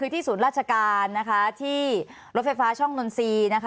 ที่ศูนย์ราชการที่รถไฟฟ้าช่องนนทรีย์